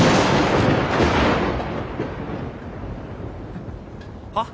えっはっ？